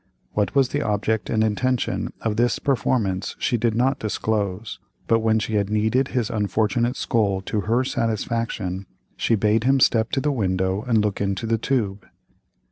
What was the object and intention of this performance she did not disclose, but when she had kneaded his unfortunate skull to her satisfaction, she bade him step to the window and look into the tube.